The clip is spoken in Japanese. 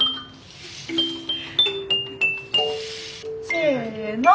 せの！